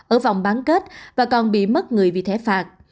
ở vòng bán kết và còn bị mất người vì thế phạt